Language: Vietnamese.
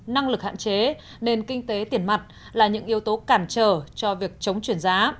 năng lực hạn chế nền kinh tế tiền mặt là những yếu tố cản trở cho việc chống chuyển giá